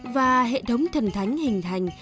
và hệ thống thần thánh hình thành